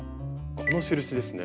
この印ですね。